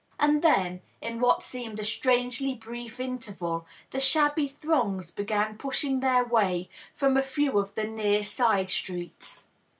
And then, in what seemed a strangely brief interval, the shabby throngs began pushing their way from a few of the near side^streets.